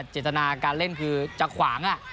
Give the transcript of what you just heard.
เจตนาการเล่นคือจะขวาง